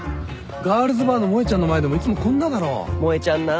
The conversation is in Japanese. ガールズバーのもえちゃんの前でもいつもこんなだろ？もえちゃんな。